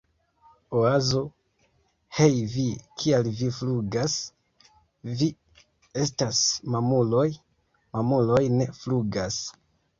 Oazo: "Hej vi! Kial vi flugas? Vi estas mamuloj! Mamuloj ne flugas!"